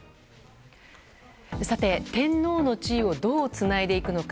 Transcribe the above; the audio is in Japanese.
さて、天皇の地位をどうつないでいくのか。